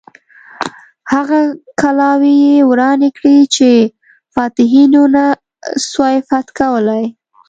هغه کلاوې یې ورانې کړې چې فاتحینو نه سوای فتح کولای.